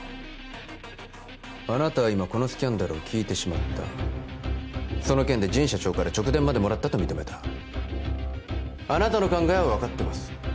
あなたは今このスキャンダルを聞いてしまったその件で神社長から直電までもらったと認めたあなたの考えは分かってます